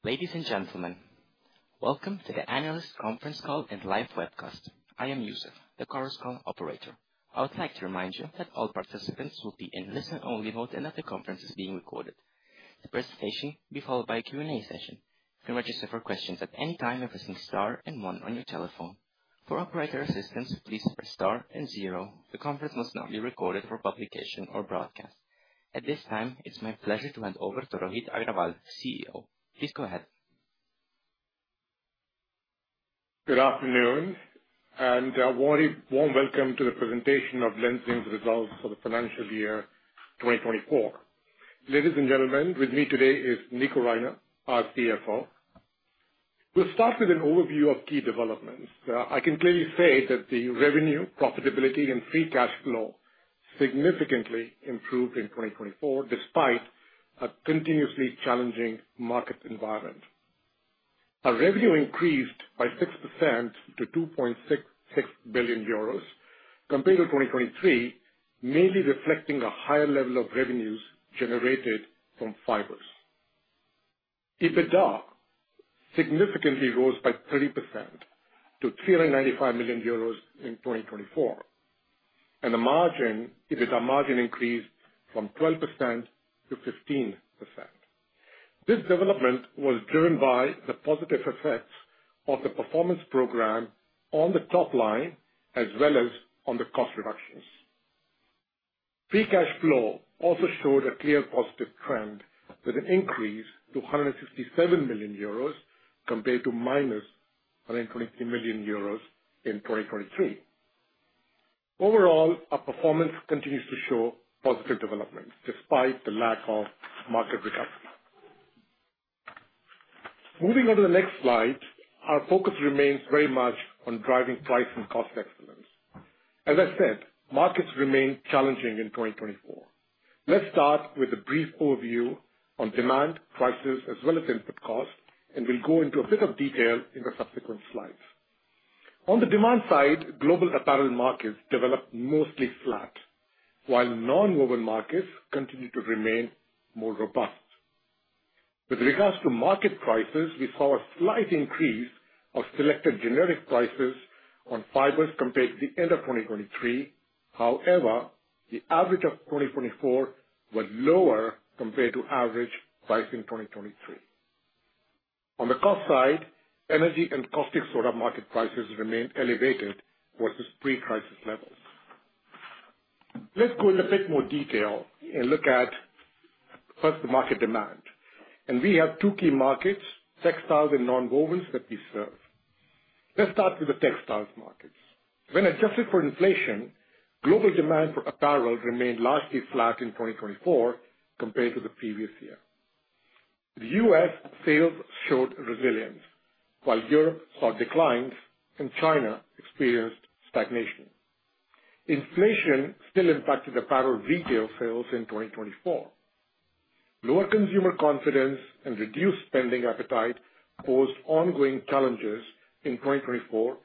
Call Operator. I would like to remind you that all participants will be in listen-only mode and that the conference is being recorded. The presentation will be followed by a Q&A session. You can register for questions at any time using the star and one on your telephone. For operator assistance, please press star and zero. The conference must not be recorded for publication or broadcast. At this time, it's my pleasure to hand over to Rohit Aggarwal, CEO. Please go ahead. Good afternoon, and a warm welcome to the presentation of Lenzing's results for the financial year 2024. Ladies and gentlemen, with me today is Nico Reiner, our CFO. We'll start with an overview of key developments. I can clearly say that the revenue, profitability, and free cash flow significantly improved in 2024 despite a continuously challenging market environment. Our revenue increased by 6% to 2.66 billion euros, compared to 2023, mainly reflecting a higher level of revenues generated from fibers. EBITDA significantly rose by 30% to 395 million euros in 2024, and the EBITDA margin increased from 12% to 15%. This development was driven by the positive effects of the performance program on the top line as well as on the cost reductions. Free cash flow also showed a clear positive trend, with an increase to 167 million euros compared to -123 million euros in 2023. Overall, our performance continues to show positive developments despite the lack of market recovery. Moving on to the next slide, our focus remains very much on driving price and cost excellence. As I said, markets remain challenging in 2024. Let's start with a brief overview on demand prices as well as input costs, and we'll go into a bit of detail in the subsequent slides. On the demand side, global apparel markets developed mostly flat, while non-woven markets continue to remain more robust. With regards to market prices, we saw a slight increase of selected generic prices on fibers compared to the end of 2023. However, the average of 2024 was lower compared to average pricing in 2023. On the cost side, energy and caustic soda market prices remained elevated versus pre-crisis levels. Let's go into a bit more detail and look at, first, the market demand. We have two key markets: textiles and non-wovens that we serve. Let's start with the textiles markets. When adjusted for inflation, global demand for apparel remained largely flat in 2024 compared to the previous year. The U.S. sales showed resilience, while Europe saw declines, and China experienced stagnation. Inflation still impacted apparel retail sales in 2024. Lower consumer confidence and reduced spending appetite posed ongoing challenges in 2024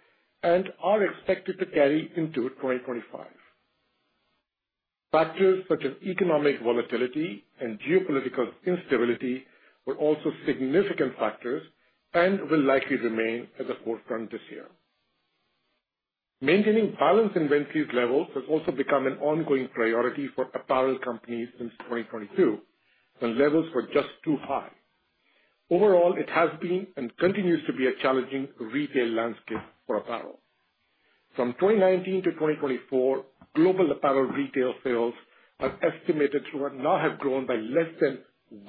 and are expected to carry into 2025. Factors such as economic volatility and geopolitical instability were also significant factors and will likely remain at the forefront this year. Maintaining balanced inventory levels has also become an ongoing priority for apparel companies since 2022, when levels were just too high. Overall, it has been and continues to be a challenging retail landscape for apparel. From 2019 to 2024, global apparel retail sales are estimated to have now grown by less than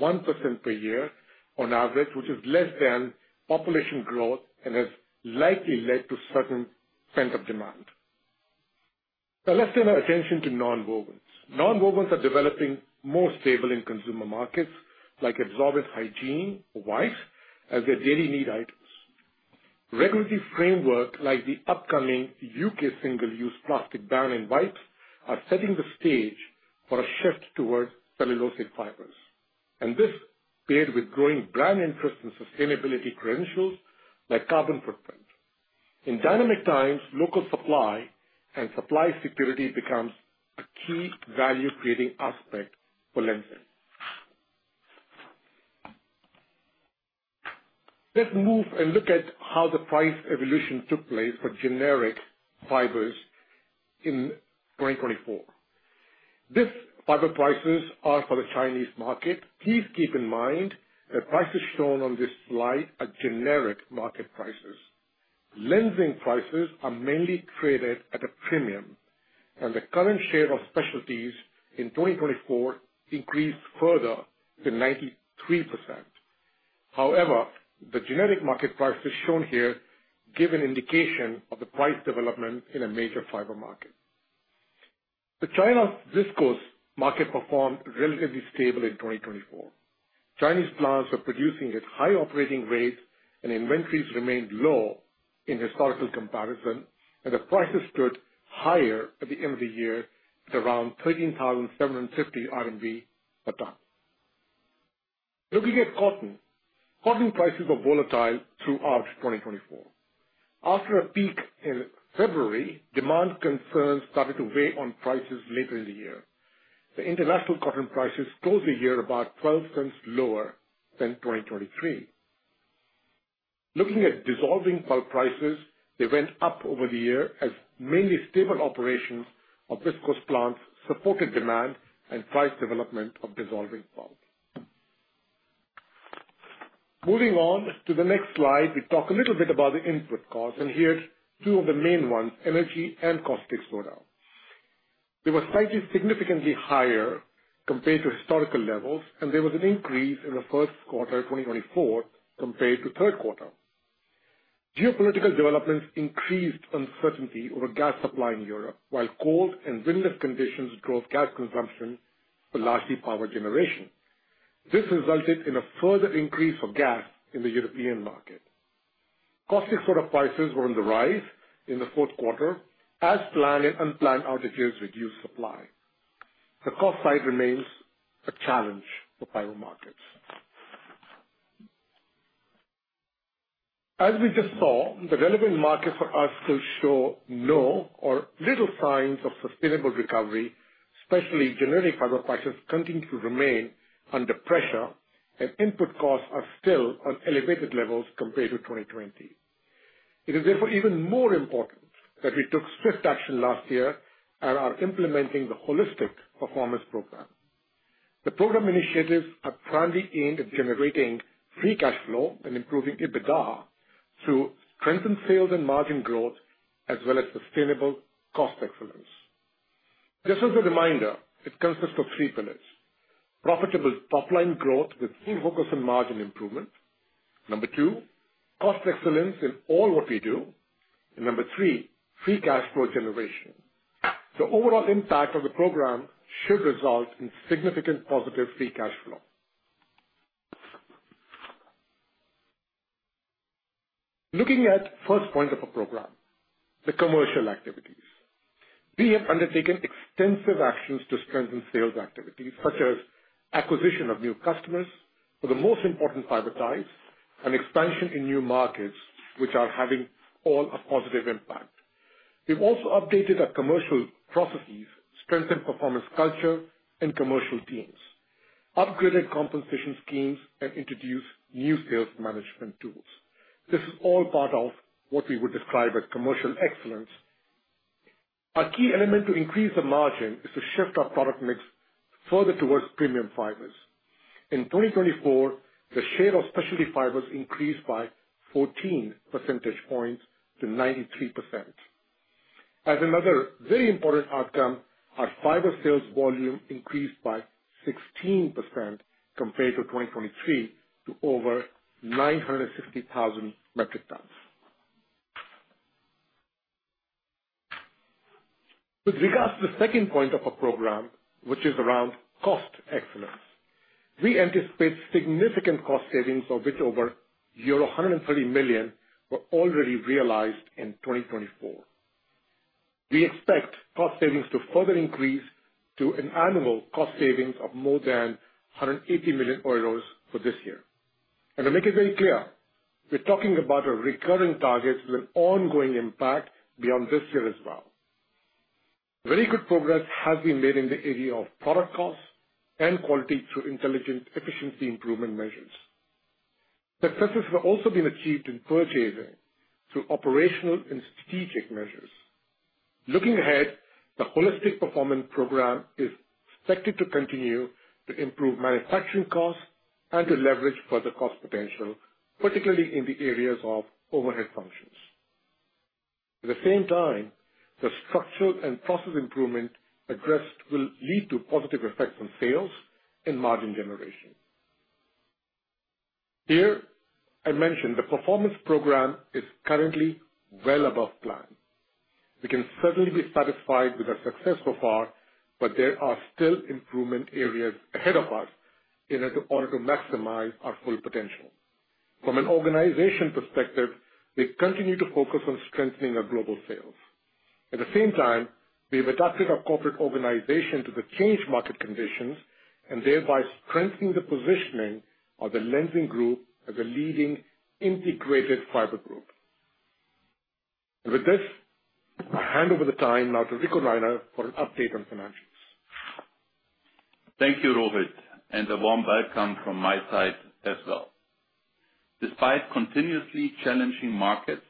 1% per year on average, which is less than population growth and has likely led to a certain spending demand. Now, let's turn our attention to non-wovens. Non-wovens are developing more stable in consumer markets like absorbent hygiene or wipes as their daily need items. Regulatory framework like the upcoming U.K. single-use plastic ban on wipes is setting the stage for a shift towards cellulosic fibers. This, paired with growing brand interest in sustainability credentials like carbon footprint. In dynamic times, local supply and supply security become a key value-creating aspect for Lenzing. Let's move and look at how the price evolution took place for generic fibers in 2024. These fiber prices are for the Chinese market. Please keep in mind that prices shown on this slide are generic market prices. Lenzing prices are mainly traded at a premium, and the current share of specialties in 2024 increased further to 93%. However, the generic market prices shown here give an indication of the price development in a major fiber market. The China viscose market performed relatively stable in 2024. Chinese plants were producing at high operating rates, and inventories remained low in historical comparison, and the prices stood higher at the end of the year at around 13,750 RMB per ton. Looking at cotton, cotton prices were volatile throughout 2024. After a peak in February, demand concerns started to weigh on prices later in the year. The international cotton prices closed the year about $0.12 lower than 2023. Looking at dissolving pulp prices, they went up over the year as mainly stable operations of viscose plants supported demand and price development of dissolving pulp. Moving on to the next slide, we talk a little bit about the input costs, and here are two of the main ones: energy and caustic soda. They were slightly significantly higher compared to historical levels, and there was an increase in the first quarter of 2024 compared to the third quarter. Geopolitical developments increased uncertainty over gas supply in Europe, while cold and windless conditions drove gas consumption for largely power generation. This resulted in a further increase of gas in the European market. Caustic soda prices were on the rise in the fourth quarter, as planned and unplanned outages reduced supply. The cost side remains a challenge for fiber markets. As we just saw, the relevant markets for us still show no or little signs of sustainable recovery, especially generic fiber prices continue to remain under pressure, and input costs are still at elevated levels compared to 2020. It is therefore even more important that we took swift action last year and are implementing the holistic performance program. The program initiatives are primarily aimed at generating free cash flow and improving EBITDA through strengthened sales and margin growth, as well as sustainable cost excellence. Just as a reminder, it consists of three pillars: profitable top-line growth with full focus on margin improvement; number two, cost excellence in all what we do; and number three, free cash flow generation. The overall impact of the program should result in significant positive free cash flow. Looking at the first point of the program, the commercial activities, we have undertaken extensive actions to strengthen sales activities, such as acquisition of new customers for the most important fiber types and expansion in new markets, which are having all a positive impact. We've also updated our commercial processes, strengthened performance culture and commercial teams, upgraded compensation schemes, and introduced new sales management tools. This is all part of what we would describe as commercial excellence. A key element to increase the margin is to shift our product mix further towards premium fibers. In 2024, the share of specialty fibers increased by 14 percentage points to 93%. As another very important outcome, our fiber sales volume increased by 16% compared to 2023 to over 960,000 metric tons. With regards to the second point of our program, which is around cost excellence, we anticipate significant cost savings of which over euro 130 million were already realized in 2024. We expect cost savings to further increase to an annual cost savings of more than 180 million euros for this year. To make it very clear, we're talking about recurring targets with an ongoing impact beyond this year as well. Very good progress has been made in the area of product costs and quality through intelligent efficiency improvement measures. Successes have also been achieved in purchasing through operational and strategic measures. Looking ahead, the holistic performance program is expected to continue to improve manufacturing costs and to leverage further cost potential, particularly in the areas of overhead functions. At the same time, the structural and process improvement addressed will lead to positive effects on sales and margin generation. Here, I mentioned the performance program is currently well above plan. We can certainly be satisfied with our success so far, but there are still improvement areas ahead of us in order to maximize our full potential. From an organization perspective, we continue to focus on strengthening our global sales. At the same time, we have adapted our corporate organization to the changed market conditions and thereby strengthening the positioning of the Lenzing Group as a leading integrated fiber group. With this, I hand over the time now to Nico Reiner for an update on financials. Thank you, Rohit, and a warm welcome from my side as well. Despite continuously challenging markets,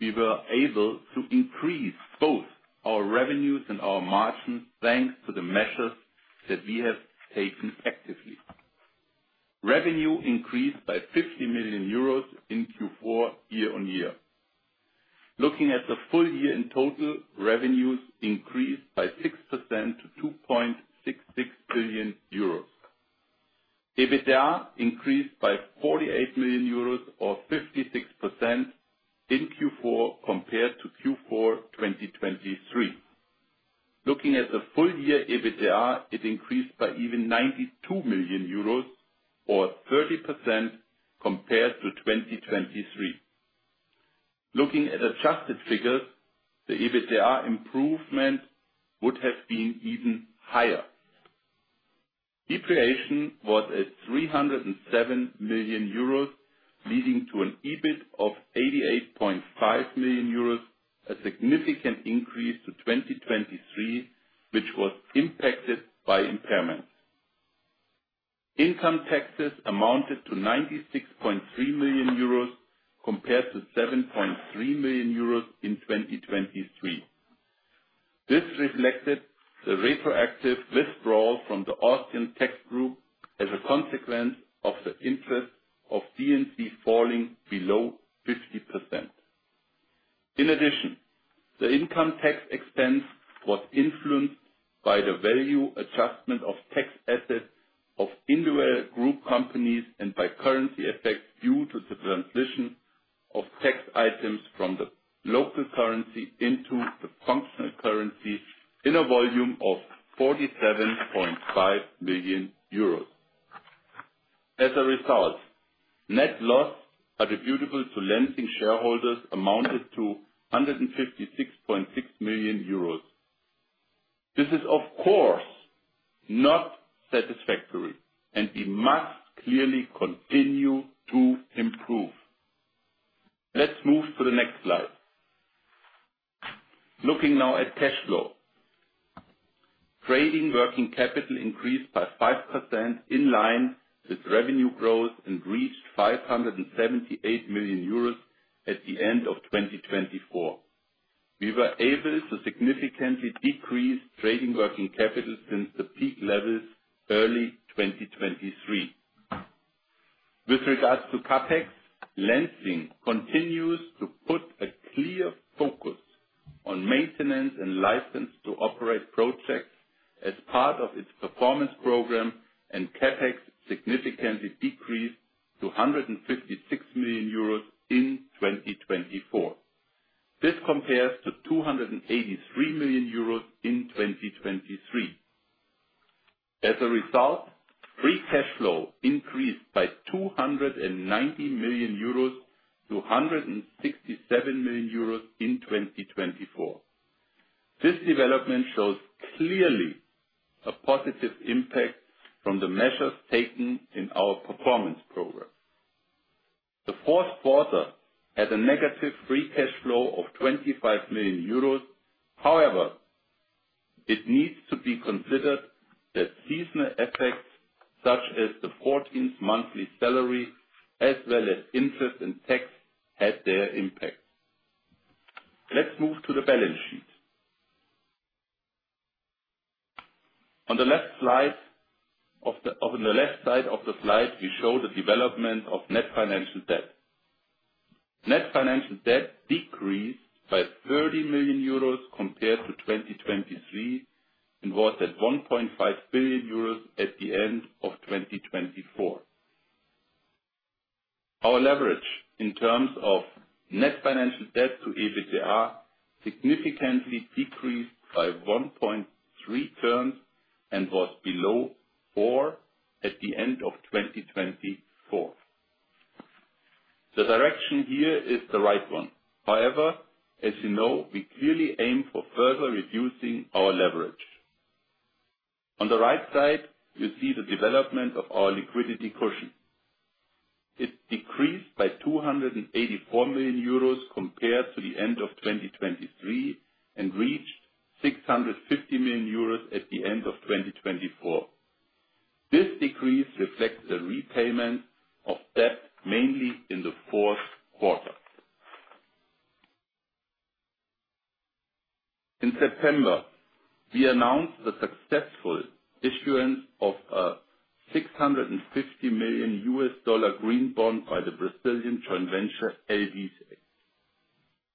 we were able to increase both our revenues and our margins thanks to the measures that we have taken actively. Revenue increased by 50 million euros in Q4 year-on-year. Looking at the full year in total, revenues increased by 6% to 2.66 billion euros. EBITDA increased by 48 million euros or 56% in Q4 compared to Q4 2023. Looking at the full year EBITDA, it increased by even 92 million euros or 30% compared to 2023. Looking at adjusted figures, the EBITDA improvement would have been even higher. Depreciation was at 307 million euros, leading to an EBIT of 88.5 million euros, a significant increase to 2023, which was impacted by impairment. Income taxes amounted to 96.3 million euros compared to 7.3 million euros in 2023. This reflected the retroactive withdrawal from the Austrian tax group as a consequence of the interest of B&C falling below 50%. In addition, the income tax expense was influenced by the value adjustment of tax assets of individual group companies and by currency effects due to the transition of tax items from the local currency into the functional currency in a volume of 47.5 million euros. As a result, net loss attributable to Lenzing shareholders amounted to 156.6 million euros. This is, of course, not satisfactory, and we must clearly continue to improve. Let's move to the next slide. Looking now at cash flow, trading working capital increased by 5% in line with revenue growth and reached 578 million euros at the end of 2024. We were able to significantly decrease trading working capital since the peak levels early 2023. With regards to CapEx, Lenzing continues to put a clear focus on maintenance and license to operate projects as part of its performance program, and CapEx significantly decreased to 156 million euros in 2024. This compares to 283 million euros in 2023. As a result, free cash flow increased by 290 million euros to 167 million euros in 2024. This development shows clearly a positive impact from the measures taken in our performance program. The fourth quarter had a negative free cash flow of 25 million euros. However, it needs to be considered that seasonal effects such as the 14th monthly salary, as well as interest and tax, had their impact. Let's move to the balance sheet. On the left side of the slide, we show the development of net financial debt. Net financial debt decreased by 30 million euros compared to 2023 and was at 1.5 billion euros at the end of 2024. Our leverage in terms of net financial debt to EBITDA significantly decreased by 1.3 turns and was below four at the end of 2024. The direction here is the right one. However, as you know, we clearly aim for further reducing our leverage. On the right side, you see the development of our liquidity cushion. It decreased by 284 million euros compared to the end of 2023 and reached 650 million euros at the end of 2024. This decrease reflects the repayment of debt mainly in the fourth quarter. In September, we announced the successful issuance of a $650 million green bond by the Brazilian joint venture LDC.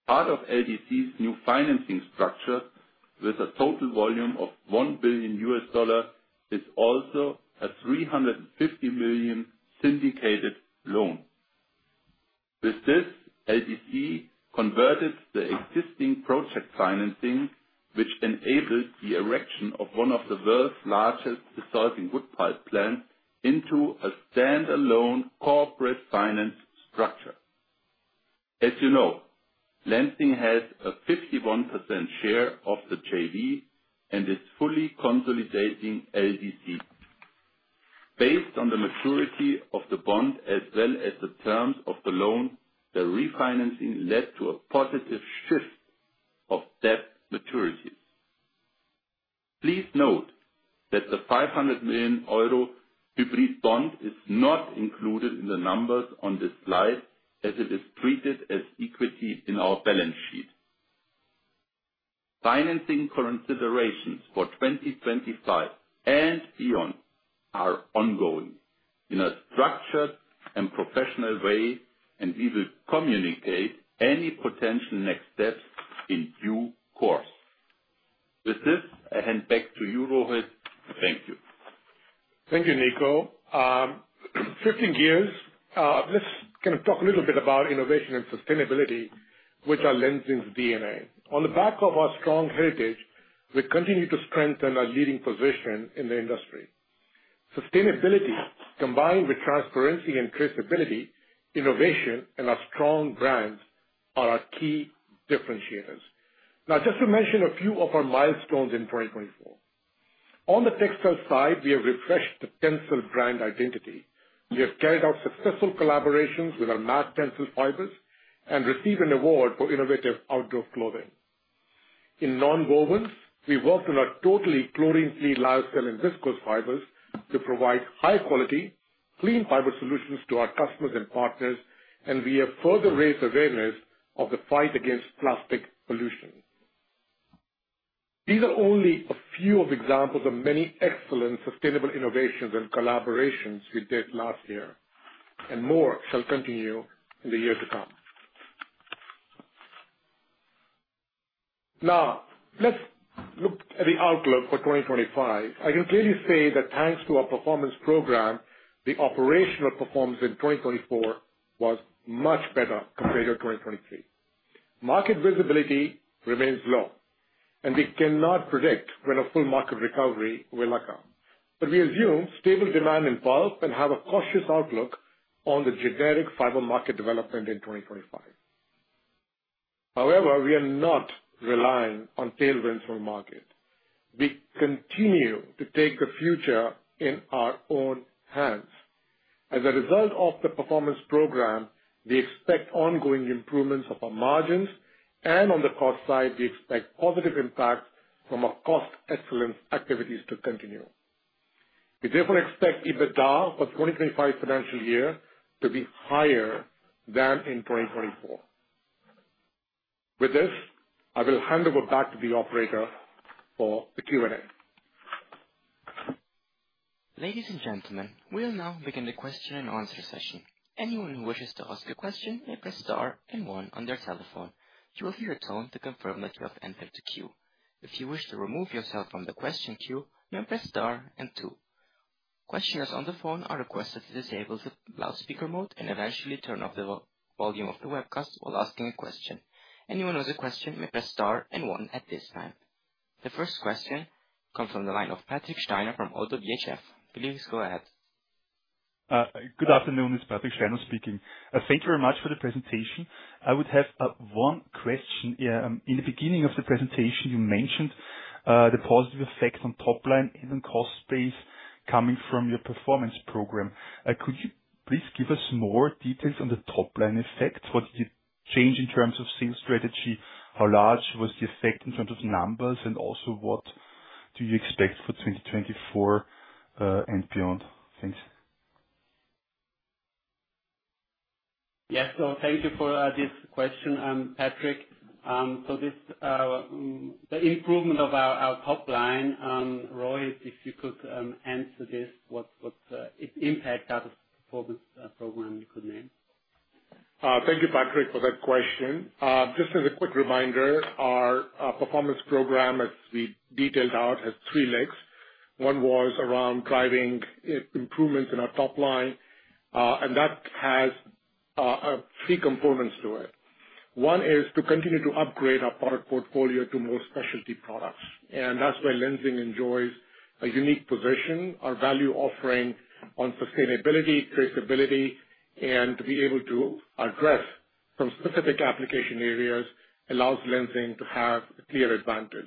Part of LDC's new financing structure, with a total volume of $1 billion, is also a $350 million syndicated loan. With this, LDC converted the existing project financing, which enabled the erection of one of the world's largest dissolving pulp plants, into a standalone corporate finance structure. As you know, Lenzing has a 51% share of the JV and is fully consolidating LDC. Based on the maturity of the bond as well as the terms of the loan, the refinancing led to a positive shift of debt maturities. Please note that the 500 million euro hybrid bond is not included in the numbers on this slide, as it is treated as equity in our balance sheet. Financing considerations for 2025 and beyond are ongoing in a structured and professional way, and we will communicate any potential next steps in due course. With this, I hand back to you, Rohit. Thank you. Thank you, Nico. Shifting gears, let's kind of talk a little bit about innovation and sustainability, which are Lenzing's DNA. On the back of our strong heritage, we continue to strengthen our leading position in the industry. Sustainability, combined with transparency and traceability, innovation, and our strong brands are our key differentiators. Now, just to mention a few of our milestones in 2024. On the textile side, we have refreshed the TENCEL brand identity. We have carried out successful collaborations with our matte TENCEL fibers and received an award for innovative outdoor clothing. In non-wovens, we worked on our totally chlorine-free lyocell and viscose fibers to provide high-quality, clean fiber solutions to our customers and partners, and we have further raised awareness of the fight against plastic pollution. These are only a few examples of many excellent sustainable innovations and collaborations we did last year, and more shall continue in the years to come. Now, let's look at the outlook for 2025. I can clearly say that thanks to our performance program, the operational performance in 2024 was much better compared to 2023. Market visibility remains low, and we cannot predict when a full market recovery will occur. We assume stable demand involved and have a cautious outlook on the generic fiber market development in 2025. However, we are not relying on tailwinds from the market. We continue to take the future in our own hands. As a result of the performance program, we expect ongoing improvements of our margins, and on the cost side, we expect positive impacts from our cost excellence activities to continue. We therefore expect EBITDA for the 2025 financial year to be higher than in 2024. With this, I will hand over back to the operator for the Q&A. Ladies and gentlemen, we'll now begin the question and answer session. Anyone who wishes to ask a question may press star and one on their telephone. You will hear a tone to confirm that you have entered the queue. If you wish to remove yourself from the question queue, then press star and two. Questioners on the phone are requested to disable the loudspeaker mode and eventually turn off the volume of the webcast while asking a question. Anyone who has a question may press star and one at this time. The first question comes from the line of Patrick Steiner from ODDO BHF. Please go ahead. Good afternoon, this is Patrick Steiner speaking. Thank you very much for the presentation. I would have one question. In the beginning of the presentation, you mentioned the positive effect on top line and on cost base coming from your performance program. Could you please give us more details on the top line effect? What did you change in terms of sales strategy? How large was the effect in terms of numbers? Also, what do you expect for 2024 and beyond? Thanks. Yes, thank you for this question, Patrick. The improvement of our top line, Rohit, if you could answer this, what impact does the performance program you could name? Thank you, Patrick, for that question. Just as a quick reminder, our performance program, as we detailed out, has three legs. One was around driving improvements in our top line, and that has three components to it. One is to continue to upgrade our product portfolio to more specialty products. That's where Lenzing enjoys a unique position. Our value offering on sustainability, traceability, and to be able to address some specific application areas allows Lenzing to have a clear advantage.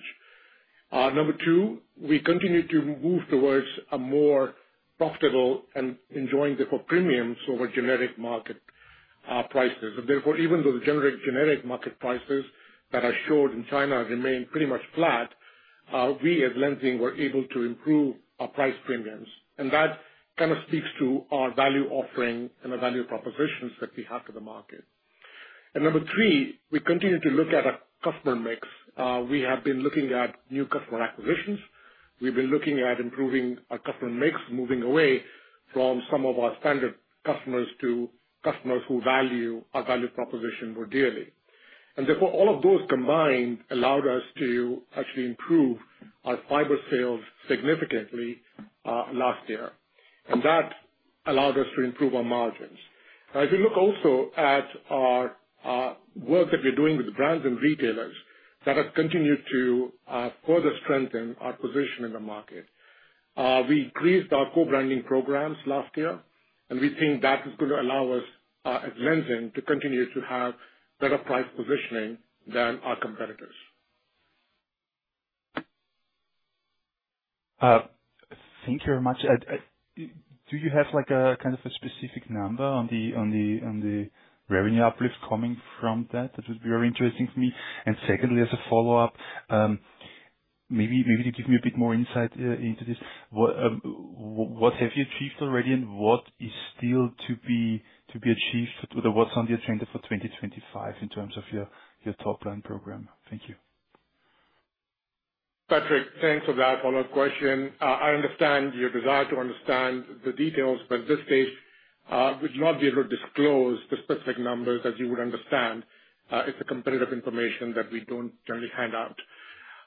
Number two, we continue to move towards a more profitable and enjoying the premiums over generic market prices. Therefore, even though the generic market prices that are showed in China remain pretty much flat, we at Lenzing were able to improve our price premiums. That kind of speaks to our value offering and the value propositions that we have to the market. Number three, we continue to look at our customer mix. We have been looking at new customer acquisitions. We've been looking at improving our customer mix, moving away from some of our standard customers to customers who value our value proposition more dearly. Therefore, all of those combined allowed us to actually improve our fiber sales significantly last year. That allowed us to improve our margins. Now, if you look also at our work that we're doing with brands and retailers, that has continued to further strengthen our position in the market. We increased our co-branding programs last year, and we think that is going to allow us at Lenzing to continue to have better price positioning than our competitors. Thank you very much. Do you have a kind of a specific number on the revenue uplift coming from that? That would be very interesting for me. Secondly, as a follow-up, maybe to give me a bit more insight into this, what have you achieved already and what is still to be achieved? What's on the agenda for 2025 in terms of your top line program? Thank you. Patrick, thanks for that follow-up question. I understand your desire to understand the details, but at this stage, I would not be able to disclose the specific numbers that you would understand. It is competitive information that we do not generally hand out.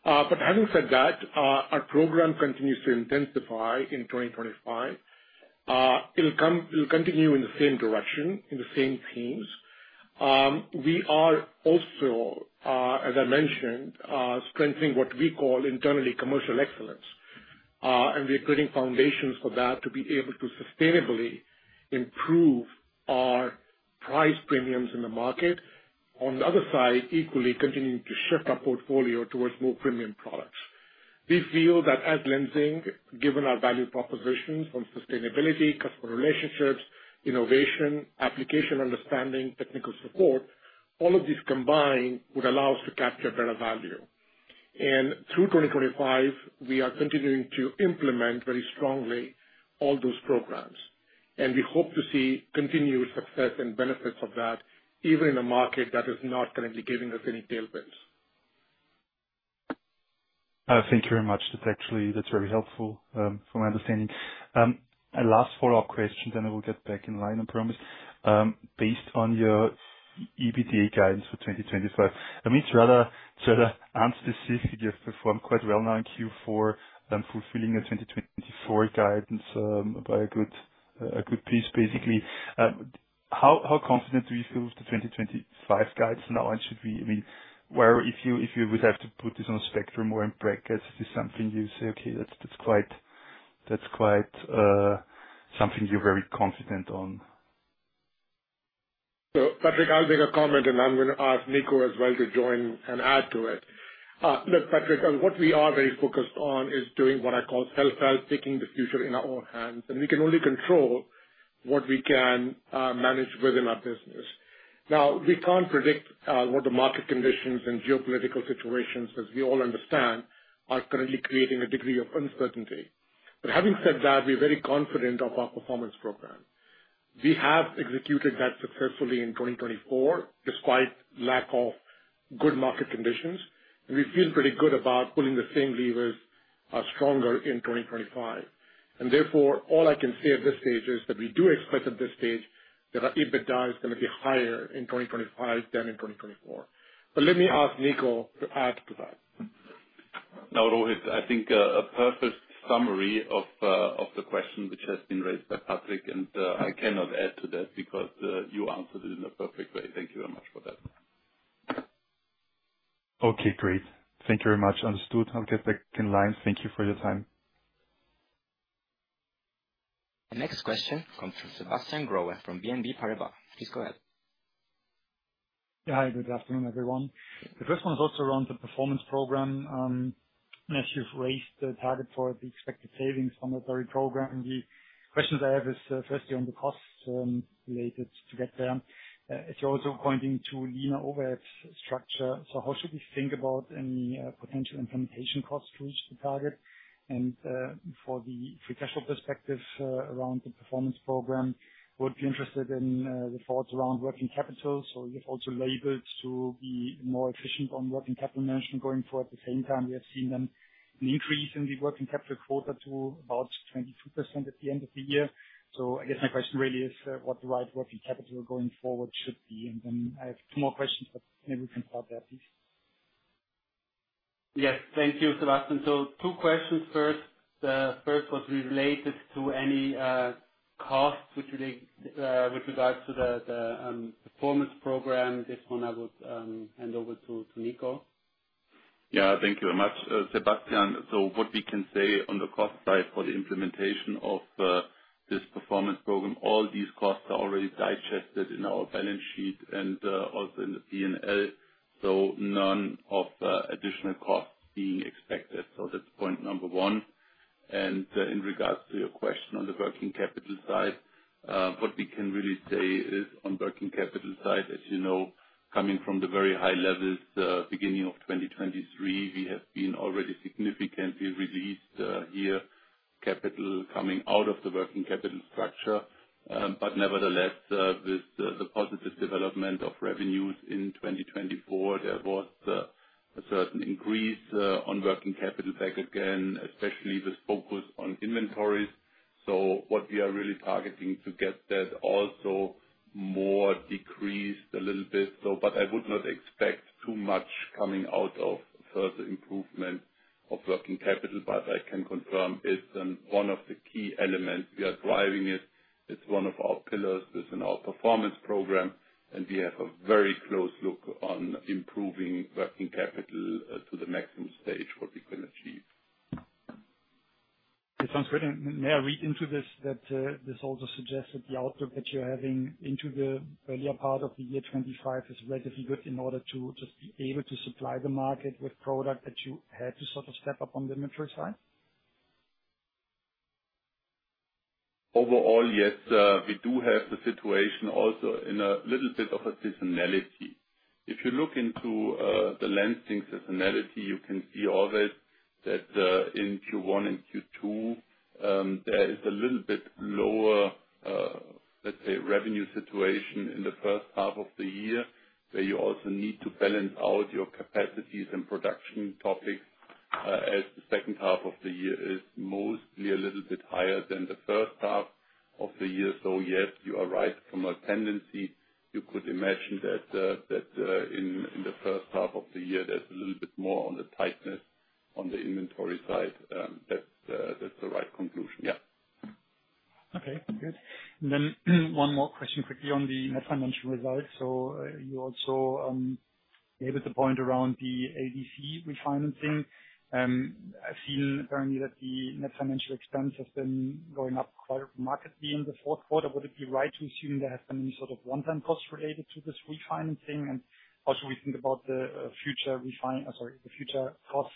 Having said that, our program continues to intensify in 2025. It will continue in the same direction, in the same themes. We are also, as I mentioned, strengthening what we call internally commercial excellence. We are creating foundations for that to be able to sustainably improve our price premiums in the market. On the other side, equally continuing to shift our portfolio towards more premium products. We feel that as Lenzing, given our value propositions on sustainability, customer relationships, innovation, application understanding, technical support, all of these combined would allow us to capture better value. Through 2025, we are continuing to implement very strongly all those programs. We hope to see continued success and benefits of that even in a market that is not currently giving us any tailwinds. Thank you very much. That's actually very helpful for my understanding. Last follow-up question, I will get back in line, I promise. Based on your EBITDA guidance for 2025, I mean, it's rather unspecific. You've performed quite well now in Q4, fulfilling a 2024 guidance by a good piece, basically. How confident do you feel with the 2025 guidance now? Should we—I mean, where if you would have to put this on a spectrum or in brackets, is this something you say, "Okay, that's quite something you're very confident on"? Patrick, I'll make a comment, and I'm going to ask Nico as well to join and add to it. Look, Patrick, what we are very focused on is doing what I call self-help, taking the future in our own hands. We can only control what we can manage within our business. We can't predict what the market conditions and geopolitical situations, as we all understand, are currently creating a degree of uncertainty. Having said that, we're very confident of our performance program. We have executed that successfully in 2024, despite lack of good market conditions. We feel pretty good about pulling the same levers stronger in 2025. Therefore, all I can say at this stage is that we do expect at this stage that our EBITDA is going to be higher in 2025 than in 2024. Let me ask Nico to add to that. Now, Rohit, I think a perfect summary of the question which has been raised by Patrick, and I cannot add to that because you answered it in a perfect way. Thank you very much for that. Okay, great. Thank you very much. Understood. I'll get back in line. Thank you for your time. The next question comes from Sebastian Growe from BNP Paribas. Please go ahead. Yeah, hi, good afternoon, everyone. The first one is also around the performance program. As you've raised the target for the expected savings from the very program, the questions I have is firstly on the cost related to get there. As you're also pointing to Lenzing overheads structure, how should we think about any potential implementation costs to reach the target? From the free cash flow perspective around the performance program, I would be interested in the thoughts around working capital. You've also labeled to be more efficient on working capital management going forward. At the same time, we have seen an increase in the working capital quota to about 22% at the end of the year. I guess my question really is what the right working capital going forward should be. I have two more questions, but maybe we can start there, please. Yes, thank you, Sebastian. Two questions first. The first was related to any costs with regards to the performance program. This one I would hand over to Nico. Yeah, thank you very much. Sebastian, what we can say on the cost side for the implementation of this performance program, all these costs are already digested in our balance sheet and also in the P&L, so none of additional costs being expected. That is point number one. In regards to your question on the working capital side, what we can really say is on the working capital side, as you know, coming from the very high levels, beginning of 2023, we have been already significantly released here capital coming out of the working capital structure. Nevertheless, with the positive development of revenues in 2024, there was a certain increase on working capital back again, especially with focus on inventories. What we are really targeting is to get that also more decreased a little bit. I would not expect too much coming out of further improvement of working capital, but I can confirm it's one of the key elements. We are driving it. It's one of our pillars within our performance program, and we have a very close look on improving working capital to the maximum stage what we can achieve. It sounds great. May I read into this that this also suggests that the outlook that you're having into the earlier part of the year 2025 is relatively good in order to just be able to supply the market with product that you had to sort of step up on the inventory side? Overall, yes. We do have the situation also in a little bit of a seasonality. If you look into the Lenzing seasonality, you can see always that in Q1 and Q2, there is a little bit lower, let's say, revenue situation in the first half of the year, where you also need to balance out your capacities and production topics, as the second half of the year is mostly a little bit higher than the first half of the year. Yes, you are right from a tendency. You could imagine that in the first half of the year, there is a little bit more on the tightness on the inventory side. That is the right conclusion. Yeah. Okay, good. One more question quickly on the net financial results. You also made the point around the ADC refinancing. I've seen apparently that the net financial expense has been going up quite remarkably in the fourth quarter. Would it be right to assume there has been any sort of one-time cost related to this refinancing? How should we think about the future costs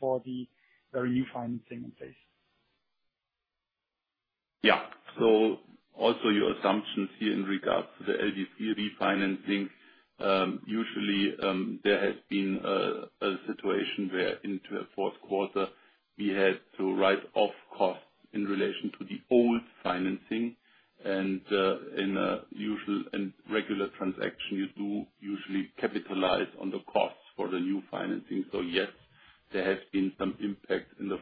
for the very new financing in place? Yeah. Also your assumptions here in regards to the LDC refinancing, usually there has been a situation where into the fourth quarter, we had to write off costs in relation to the old financing. In a usual and regular transaction, you do usually capitalize on the costs for the new financing. Yes, there has been some impact in the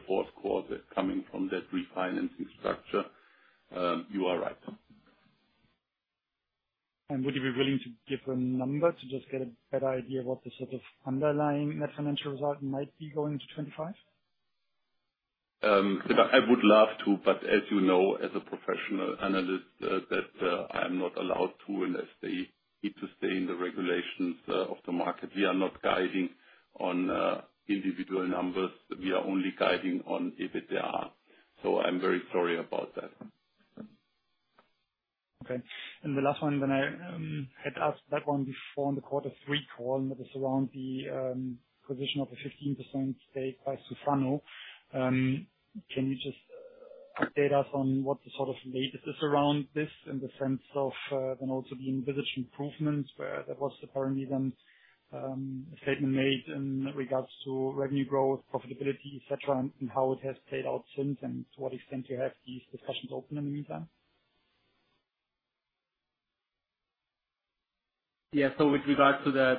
fourth quarter coming from that refinancing structure. You are right. Would you be willing to give a number to just get a better idea of what the sort of underlying net financial result might be going into 2025? I would love to, but as you know, as a professional analyst, that I am not allowed to, unless they need to stay in the regulations of the market. We are not guiding on individual numbers. We are only guiding on if there are. I am very sorry about that. Okay. The last one that I had, I asked that one before in the quarter three call, and that is around the position of a 15% stake by Suzano. Can you just update us on what the sort of latest is around this in the sense of then also the envisaged improvements where there was apparently then a statement made in regards to revenue growth, profitability, etc., and how it has played out since, and to what extent you have these discussions open in the meantime? Yeah. With regards to the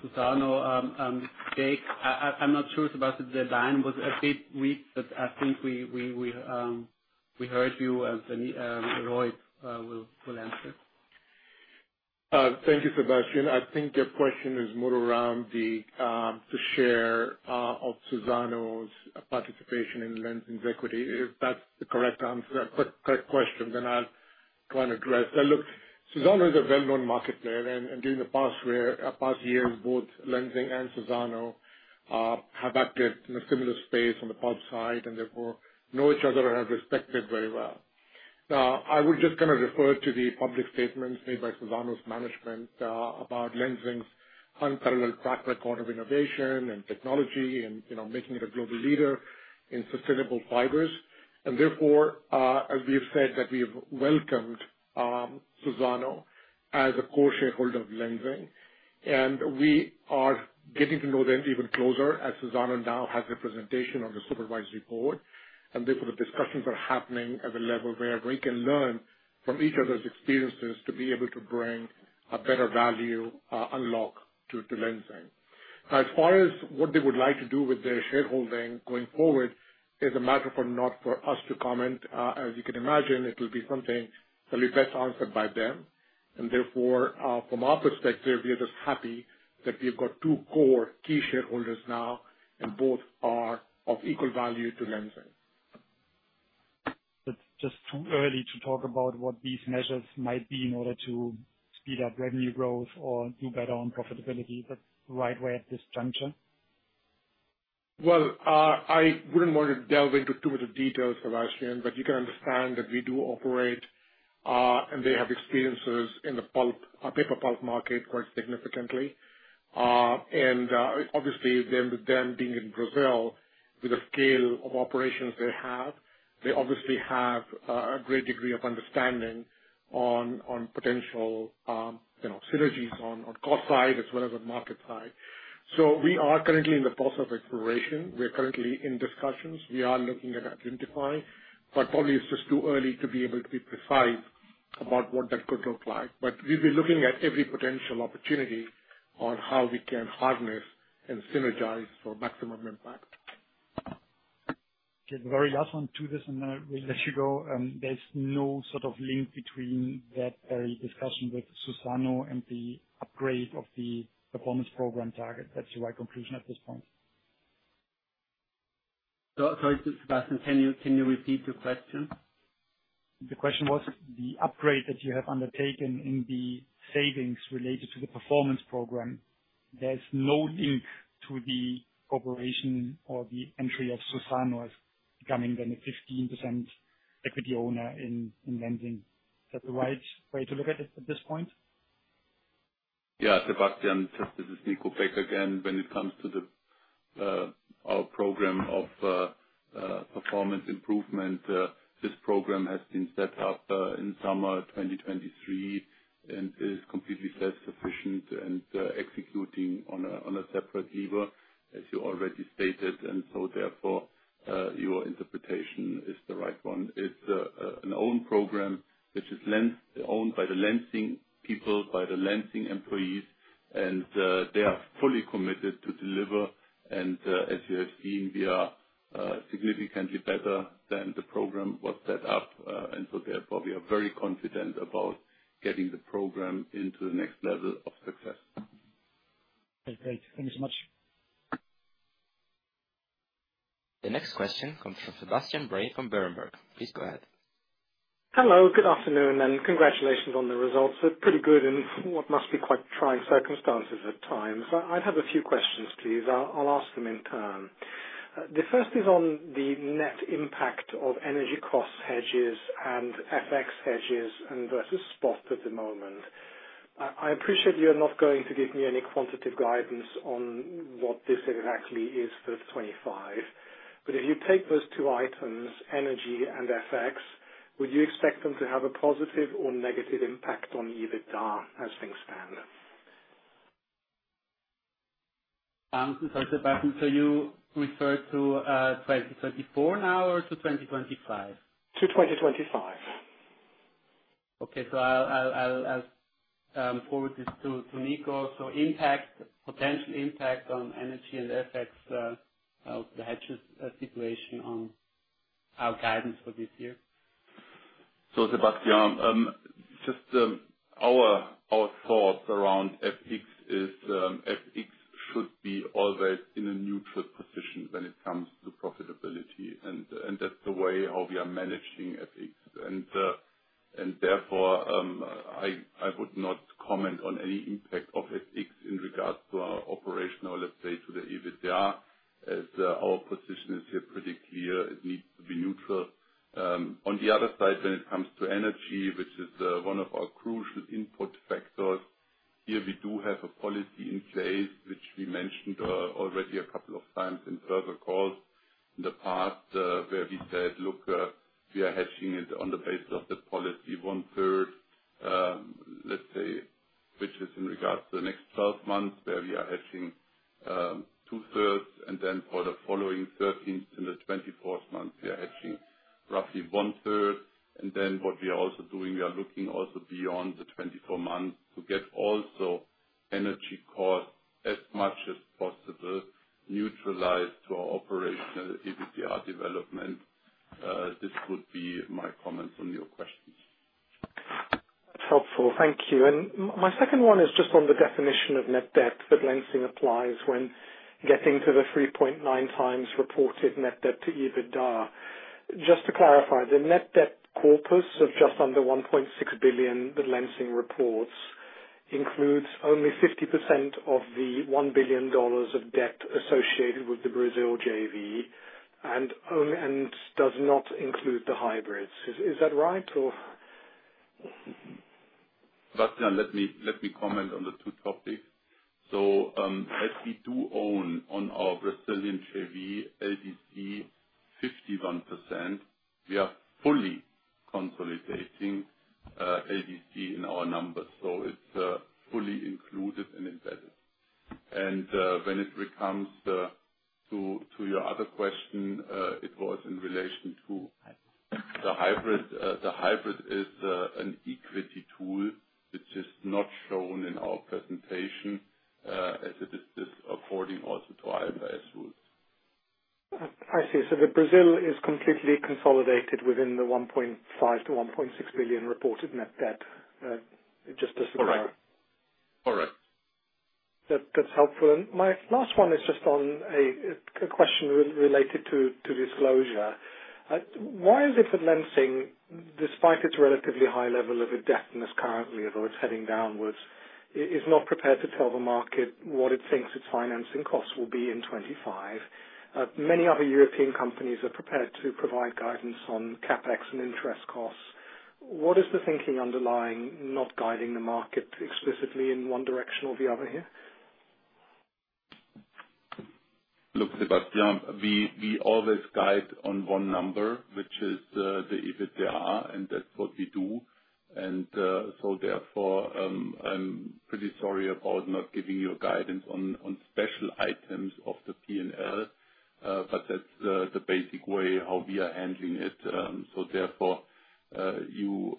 Suzano stake, I'm not sure about the line, it was a bit weak, but I think we heard you, and Rohit will answer. Thank you, Sebastian. I think your question is more around the share of Suzano's participation in Lenzing's equity. If that's the correct question, then I'll try and address that. Look, Suzano is a well-known market player, and during the past years, both Lenzing and Suzano have acted in a similar space on the pulp side and therefore know each other and have respected very well. Now, I would just kind of refer to the public statements made by Suzano's management about Lenzing's unparalleled track record of innovation and technology and making it a global leader in sustainable fibers. Therefore, as we have said, we have welcomed Suzano as a co-shareholder of Lenzing. We are getting to know them even closer as Suzano now has a presentation on the supervised report. Therefore, the discussions are happening at a level where we can learn from each other's experiences to be able to bring a better value unlock to Lenzing. Now, as far as what they would like to do with their shareholding going forward, it is a matter not for us to comment. As you can imagine, it will be something that will be best answered by them. Therefore, from our perspective, we are just happy that we have got two core key shareholders now, and both are of equal value to Lenzing. is just too early to talk about what these measures might be in order to speed up revenue growth or do better on profitability. Is that the right way at this juncture? I would not want to delve into too much detail, Sebastian, but you can understand that we do operate, and they have experiences in the paper pulp market quite significantly. Obviously, with them being in Brazil, with the scale of operations they have, they obviously have a great degree of understanding on potential synergies on the cost side as well as on the market side. We are currently in the process of exploration. We are currently in discussions. We are looking at identifying, but probably it is just too early to be able to be precise about what that could look like. We have been looking at every potential opportunity on how we can harness and synergize for maximum impact. Okay. The very last one to this, and then we'll let you go. There's no sort of link between that very discussion with Suzano and the upgrade of the performance program target. That's your right conclusion at this point. Sorry, Sebastian, can you repeat your question? The question was the upgrade that you have undertaken in the savings related to the performance program. There is no link to the corporation or the entry of Suzano as becoming then a 15% equity owner in Lenzing. Is that the right way to look at it at this point? Yeah, Sebastian, this is Nico Reiner again. When it comes to our program of performance improvement, this program has been set up in summer 2023 and is completely self-sufficient and executing on a separate lever, as you already stated. Therefore, your interpretation is the right one. It's an owned program which is owned by the Lenzing people, by the Lenzing employees, and they are fully committed to deliver. As you have seen, we are significantly better than the program was set up. Therefore, we are very confident about getting the program into the next level of success. Okay, great. Thank you so much. The next question comes from Sebastian Bray from Berenberg. Please go ahead. Hello, good afternoon, and congratulations on the results. They're pretty good in what must be quite trying circumstances at times. I'd have a few questions, please. I'll ask them in turn. The first is on the net impact of energy cost hedges and FX hedges versus spot at the moment. I appreciate you're not going to give me any quantitative guidance on what this exactly is for 2025. If you take those two items, energy and FX, would you expect them to have a positive or negative impact on EBITDA as things stand? I'm sorry, Sebastian, do you refer to 2024 now or to 2025? To 2025. Okay. I'll forward this to Nico. Impact, potential impact on energy and FX, the hedges situation on our guidance for this year? Sebastian, just our thoughts around FX is FX should be always in a neutral position when it comes to profitability. That is the way how we are managing FX. Therefore, I would not comment on any impact of FX in regards to our operational, let's say, to the EBITDA, as our position is here pretty clear. It needs to be neutral. On the other side, when it comes to energy, which is one of our crucial input factors, here we do have a policy in place, which we mentioned already a couple of times in further calls in the past, where we said, "Look, we are hedging it on the basis of the policy one-third," let's say, which is in regards to the next 12 months, where we are hedging 2/3. Then for the following 13th and the 24th months, we are hedging roughly 1/3. What we are also doing, we are looking also beyond the 24 months to get also energy costs as much as possible neutralized to our operational EBITDA development. This would be my comments on your questions. That's helpful. Thank you. My second one is just on the definition of net debt that Lenzing applies when getting to the 3.9x reported net debt to EBITDA. Just to clarify, the net debt corpus of just under 1.6 billion that Lenzing reports includes only 50% of the $1 billion of debt associated with the Brazil JV and does not include the hybrids. Is that right? Sebastian, let me comment on the two topics. As we do own on our Brazilian JV, LDC, 51%, we are fully consolidating LDC in our numbers. It is fully included and embedded. When it comes to your other question, it was in relation to the hybrid. The hybrid is an equity tool. It is just not shown in our presentation as it is according also to IFRS rules. I see. The Brazil is completely consolidated within the 1.5 billion-1.6 billion reported net debt. It just does not show. Correct. Correct. That's helpful. My last one is just on a question related to disclosure. Why is it that Lenzing, despite its relatively high level of indebtedness currently, although it's heading downwards, is not prepared to tell the market what it thinks its financing costs will be in 2025? Many other European companies are prepared to provide guidance on CapEx and interest costs. What is the thinking underlying not guiding the market explicitly in one direction or the other here? Look, Sebastian, we always guide on one number, which is the EBITDA, and that's what we do. That is why I'm pretty sorry about not giving you guidance on special items of the P&L, but that's the basic way how we are handling it. You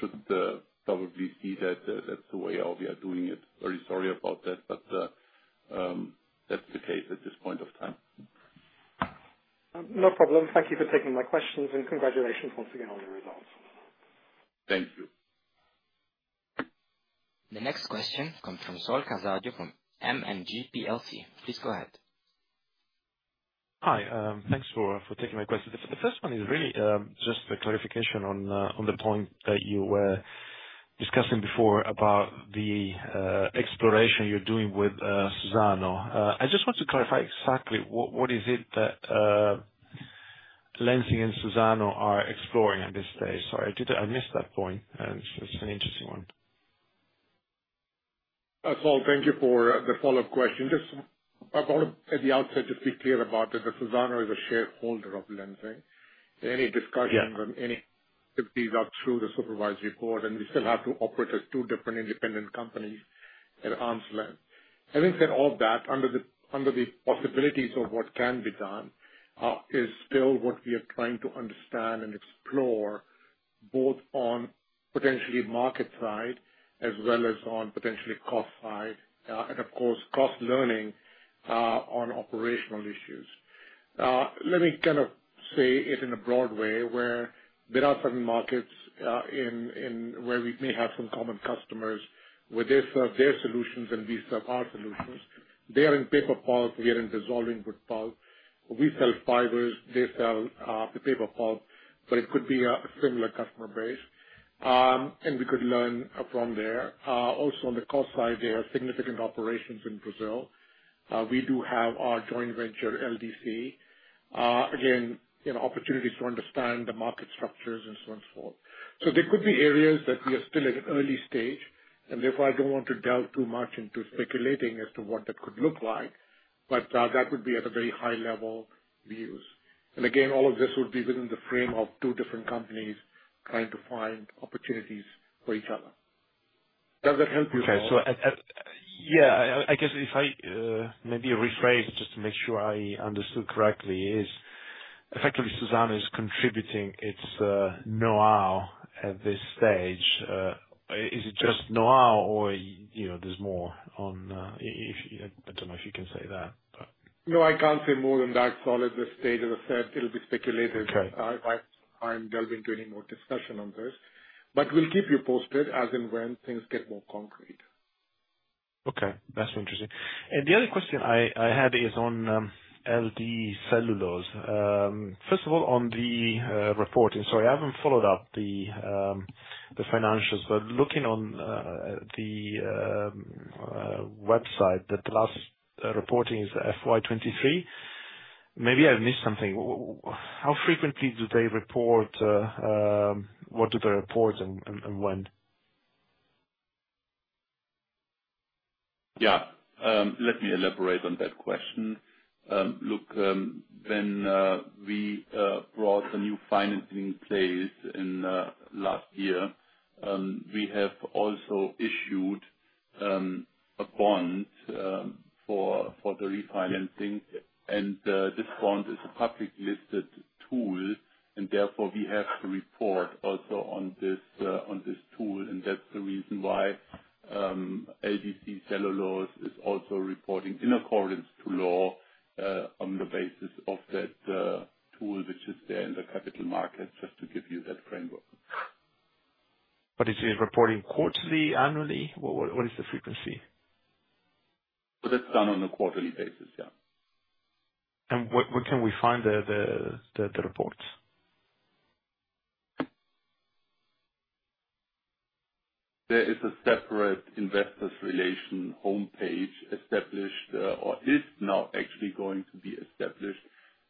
should probably see that that's the way how we are doing it. Very sorry about that, but that's the case at this point of time. No problem. Thank you for taking my questions and congratulations once again on the results. Thank you. The next question comes from Saul Casadio from M&G PLC. Please go ahead. Hi. Thanks for taking my question. The first one is really just a clarification on the point that you were discussing before about the exploration you're doing with Suzano. I just want to clarify exactly what is it that Lenzing and Suzano are exploring at this stage. Sorry, I missed that point. It's an interesting one. Saul, thank you for the follow-up question. Just at the outset, just to be clear about it. Suzano is a shareholder of Lenzing. Any discussions and any activities are through the supervised report, and we still have to operate as two different independent companies at arm's length. Having said all that, under the possibilities of what can be done, is still what we are trying to understand and explore both on potentially market side as well as on potentially cost side and, of course, cost learning on operational issues. Let me kind of say it in a broad way where there are certain markets where we may have some common customers where they serve their solutions and we serve our solutions. They are in paper pulp. We are in dissolving wood pulp. We sell fibers. They sell the paper pulp, but it could be a similar customer base, and we could learn from there. Also, on the cost side, they have significant operations in Brazil. We do have our joint venture LDC. Again, opportunities to understand the market structures and so on and so forth. There could be areas that we are still at an early stage, and therefore, I do not want to delve too much into speculating as to what that could look like, but that would be at a very high level views. Again, all of this would be within the frame of two different companies trying to find opportunities for each other. Does that help you? Okay. Yeah, I guess if I maybe rephrase just to make sure I understood correctly, effectively, Suzano is contributing its know-how at this stage. Is it just know-how or there's more on, I do not know if you can say that, but. No, I can't say more than that. Saul, at this stage, as I said, it'll be speculative if I delve into any more discussion on this. We will keep you posted as and when things get more concrete. Okay. That's interesting. The other question I had is on LD Celulose. First of all, on the reporting, sorry, I haven't followed up the financials, but looking on the website, the last reporting is FY 2023. Maybe I've missed something. How frequently do they report? What do they report and when? Yeah. Let me elaborate on that question. Look, when we brought the new financing in place last year, we have also issued a bond for the refinancing. This bond is a publicly listed tool, and therefore, we have to report also on this tool. That is the reason why LD Celulose is also reporting in accordance to law on the basis of that tool, which is there in the capital market, just to give you that framework. Is it reporting quarterly, annually? What is the frequency? That's done on a quarterly basis, yeah. Where can we find the reports? There is a separate investor relations homepage established or is now actually going to be established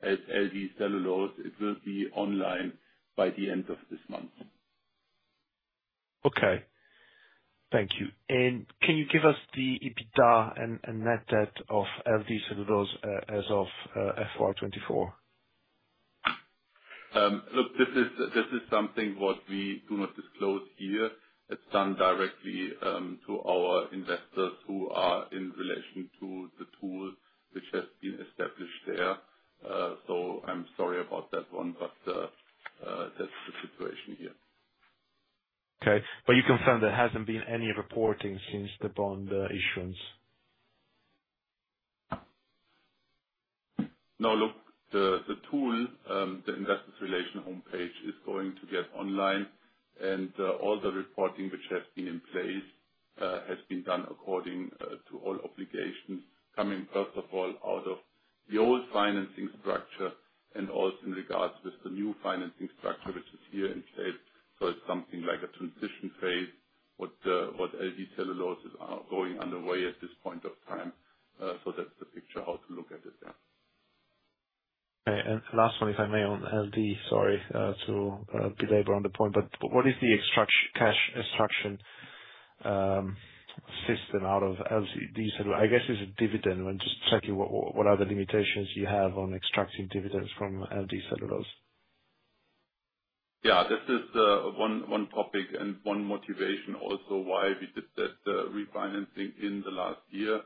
at LD Celulose. It will be online by the end of this month. Okay. Thank you. Can you give us the EBITDA and net debt of LD Celulose as of FY 2024? Look, this is something what we do not disclose here. It is done directly to our investors who are in relation to the tool which has been established there. I am sorry about that one, but that is the situation here. Okay. You confirm there hasn't been any reporting since the bond issuance? No, look, the tool, the investors' relation homepage, is going to get online, and all the reporting which has been in place has been done according to all obligations coming, first of all, out of the old financing structure and also in regards with the new financing structure which is here in place. It is something like a transition phase what LD Celulose is going underway at this point of time. That is the picture how to look at it, yeah. Okay. Last one, if I may, on LD, sorry to belabor on the point, but what is the cash extraction system out of LD Celulose? I guess it's a dividend. I'm just checking what are the limitations you have on extracting dividends from LD Celulose. Yeah. This is one topic and one motivation also why we did that refinancing in the last year.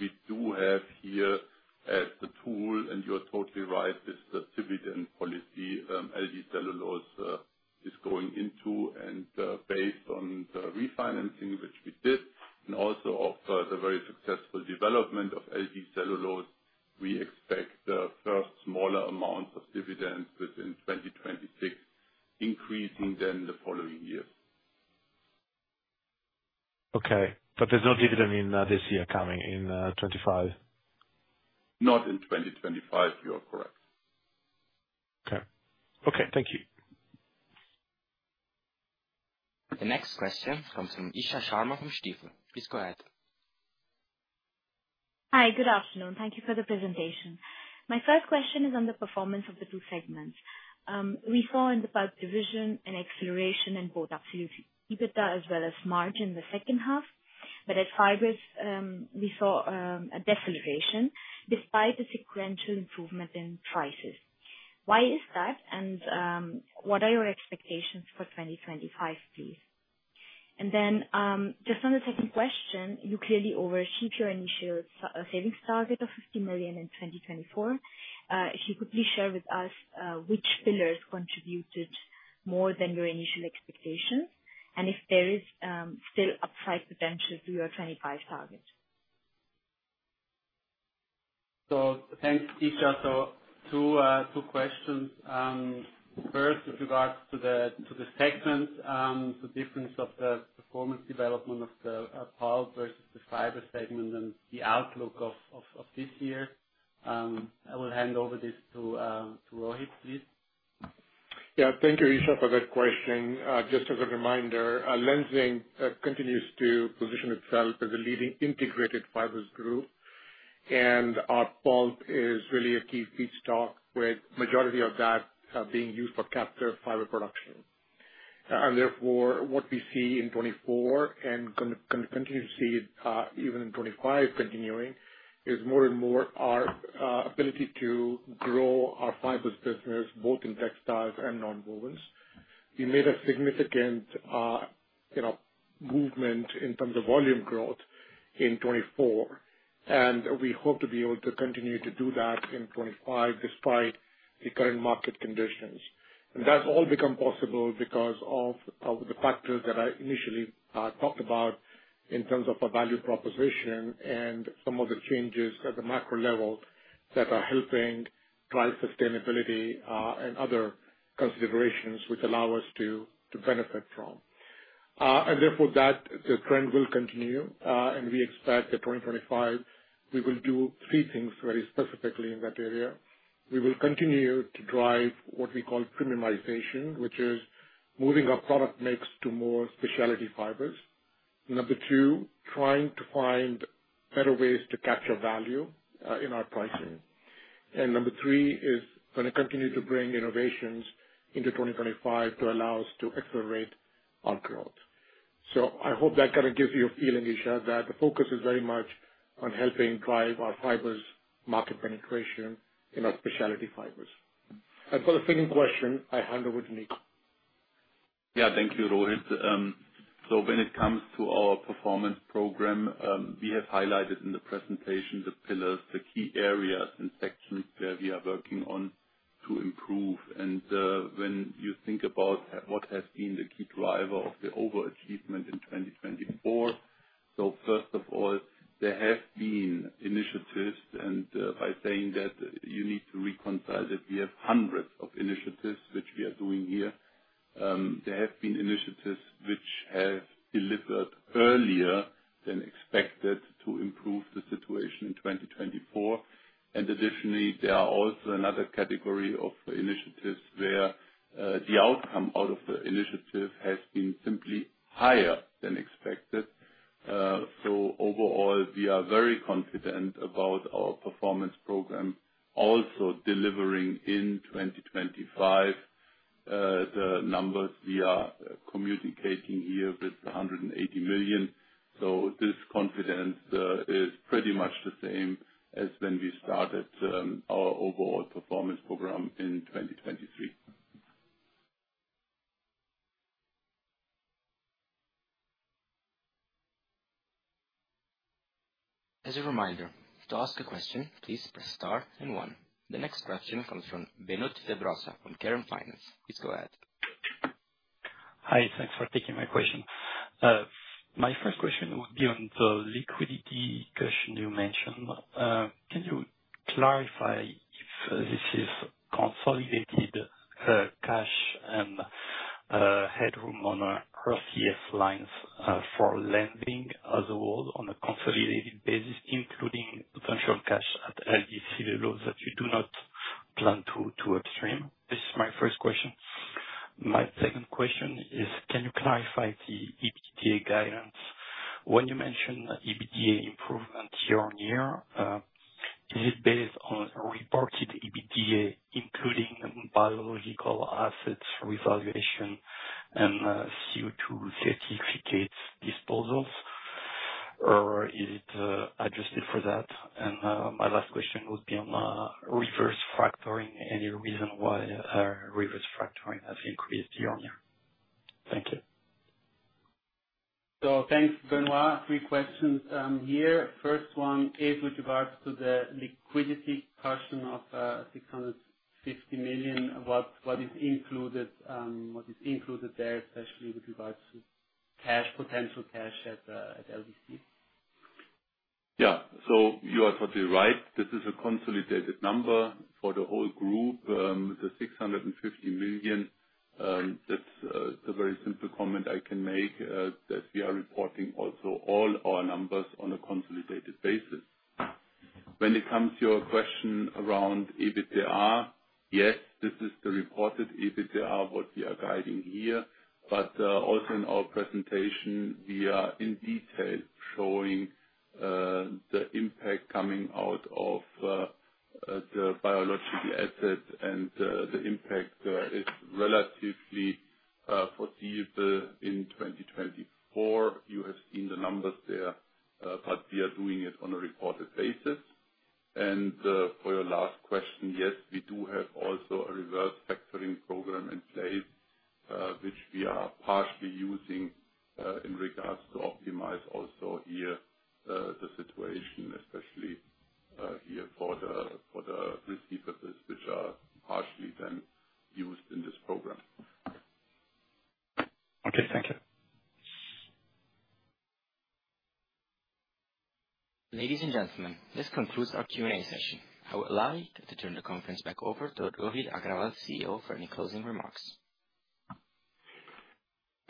We do have here at the tool, and you're totally right, it's the dividend policy LD Celulose is going into. Based on the refinancing which we did and also the very successful development of LD Celulose, we expect the first smaller amounts of dividends within 2026, increasing then the following years. Okay. There is no dividend in this year coming in 2025? Not in 2025. You are correct. Okay. Okay. Thank you. The next question comes from Isha Sharma from Stifel. Please go ahead. Hi. Good afternoon. Thank you for the presentation. My first question is on the performance of the two segments. We saw in the bulk division an acceleration in both absolute EBITDA as well as margin in the second half, but at fibers, we saw a deceleration despite a sequential improvement in prices. Why is that, and what are your expectations for 2025, please? Just on the second question, you clearly overshot your initial savings target of 50 million in 2024. If you could please share with us which pillars contributed more than your initial expectations and if there is still upside potential to your 2025 target. Thank you, Isha. Two questions. First, with regards to the segments, the difference of the performance development of the pulp versus the fiber segment and the outlook of this year. I will hand over this to Rohit, please. Thank you, Isha, for that question. Just as a reminder, Lenzing continues to position itself as a leading integrated fibers group, and our pulp is really a key feedstock, with the majority of that being used for captive fiber production. Therefore, what we see in 2024 and continue to see even in 2025 is more and more our ability to grow our fibers business, both in textiles and non-wovens. We made a significant movement in terms of volume growth in 2024, and we hope to be able to continue to do that in 2025 despite the current market conditions. That has all become possible because of the factors that I initially talked about in terms of our value proposition and some of the changes at the macro level that are helping drive sustainability and other considerations which allow us to benefit from. Therefore, the trend will continue, and we expect that in 2025, we will do three things very specifically in that area. We will continue to drive what we call premiumization, which is moving our product mix to more specialty fibers. Number two, trying to find better ways to capture value in our pricing. Number three is going to continue to bring innovations into 2025 to allow us to accelerate our growth. I hope that kind of gives you a feeling, Isha, that the focus is very much on helping drive our fibers' market penetration in our specialty fibers. For the second question, I hand over to Nick. Yeah. Thank you, Rohit. When it comes to our performance program, we have highlighted in the presentation the pillars, the key areas, and sections where we are working on to improve. When you think about what has been the key driver of the overachievement in 2024, first of all, there have been initiatives, and by saying that, you need to reconcile that we have hundreds of initiatives which we are doing here. There have been initiatives which have delivered earlier than expected to improve the situation in 2024. Additionally, there are also another category of initiatives where the outcome out of the initiative has been simply higher than expected. Overall, we are very confident about our performance program, also delivering in 2025 the numbers we are communicating here with 180 million. This confidence is pretty much the same as when we started our overall performance program in 2023. As a reminder, to ask a question, please press star and one. The next question comes from Benoit de Broissia from KEREN Finance. Please go ahead. Hi. Thanks for taking my question. My first question would be on the liquidity question you mentioned. Can you clarify if this is consolidated cash and headroom on our RCF lines for lending as a whole on a consolidated basis, including potential cash at LD Celulose that you do not plan to upstream? This is my first question. My second question is, can you clarify the EBITDA guidance? When you mentioned EBITDA improvement year-on-year, is it based on reported EBITDA, including biological assets revaluation and CO2 certificates disposals, or is it adjusted for that? My last question would be on reverse factoring, any reason why reverse factoring has increased year-on-year? Thank you. Thanks, Benoit. Three questions here. First one is with regards to the liquidity cushion of 650 million. What is included there, especially with regards to cash, potential cash at LDC? Yeah. You are totally right. This is a consolidated number for the whole group. The 650 million, that's a very simple comment I can make that we are reporting also all our numbers on a consolidated basis. When it comes to your question around EBITDA, yes, this is the reported EBITDA what we are guiding here. Also in our presentation, we are in detail showing the impact coming out of the biological assets, and the impact is relatively foreseeable in 2024. You have seen the numbers there, but we are doing it on a reported basis. For your last question, yes, we do have also a reverse factoring program in place which we are partially using in regards to optimize also here the situation, especially here for the receivables which are partially then used in this program. Okay. Thank you. Ladies and gentlemen, this concludes our Q&A session. I would like to turn the conference back over to Rohit Aggarwal, CEO, for any closing remarks.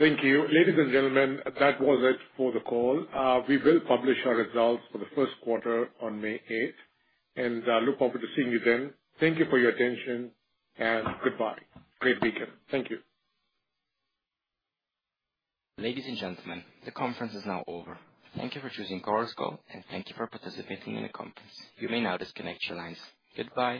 Thank you. Ladies and gentlemen, that was it for the call. We will publish our results for the first quarter on May 8th, and I look forward to seeing you then. Thank you for your attention and goodbye. Great weekend. Thank you. Ladies and gentlemen, the conference is now over. Thank you for choosing Lenzing, and thank you for participating in the conference. You may now disconnect your lines. Goodbye.